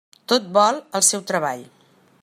Tot vol el seu treball.